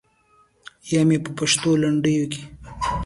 یا مې په پښتو لنډیو کې.